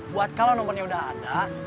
buat kalau nomornya udah ada